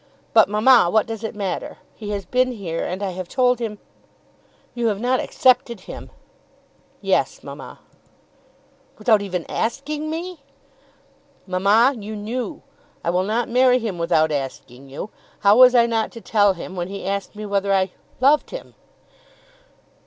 But, mamma, what does it matter? He has been here, and I have told him " "You have not accepted him?" "Yes, mamma." "Without even asking me?" "Mamma, you knew. I will not marry him without asking you. How was I not to tell him when he asked me whether I loved him?"